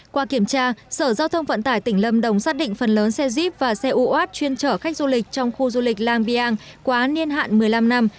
qua kiểm tra sở giao thông vận tải tỉnh lâm đồng xác định phần lớn xe jeep và xe uat chuyên chở khách du lịch trong khu du lịch làng biàng quá niên hạn một mươi năm năm